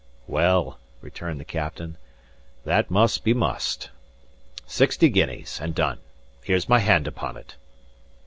*Befool. "Well," returned the captain, "what must be must. Sixty guineas, and done. Here's my hand upon it."